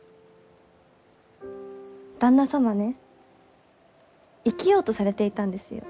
旦那様ね生きようとされていたんですよ。